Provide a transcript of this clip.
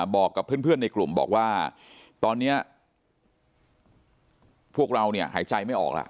บอกกับเพื่อนในกลุ่มบอกว่าตอนนี้พวกเราเนี่ยหายใจไม่ออกแล้ว